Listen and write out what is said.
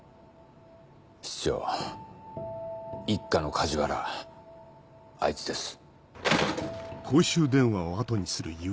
室長一課の梶原あいつです。